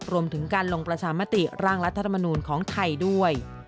รวมถึงการลงประชามติร่างรัฐธรรมนูลของไทยด้วย